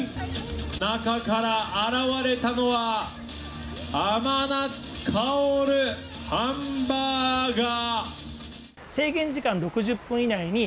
中から現れたのはあまなつ香るハンバーガー！